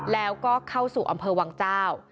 แล้วก็เข้าสู่อำเภอวังเจ้า